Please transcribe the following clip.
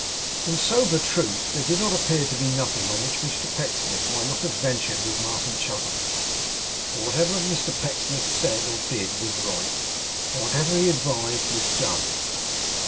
In sober truth, there did appear to be nothing on which Mr Pecksniff might not have ventured with Martin Chuzzlewit; for whatever Mr Pecksniff said or did was right, and whatever he advised was done.